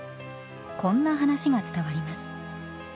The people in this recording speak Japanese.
こんな話が伝わります。